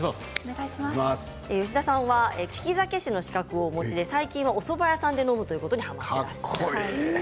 吉田さんは利き酒師の資格をお持ちで最近はおそば屋さんで飲むことにはまっているそうです。